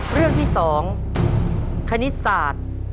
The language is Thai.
เรื่องที่๒คณิตศาสตร์